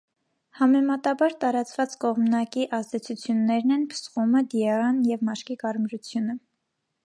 Համեմատաբար տարածված կողմնակի ազդեցուտյուններն են փսխումը, դիառեան և մաշկի կարմրությունը։